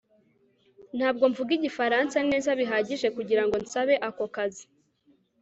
ntabwo mvuga igifaransa neza bihagije kugirango nsabe ako kazi